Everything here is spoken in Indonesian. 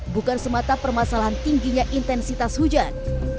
bukan semata permasalahan tingginya intensitas hujan